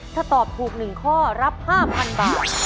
ถ้าตอบถูก๑ข้อรับ๕๐๐๐บาท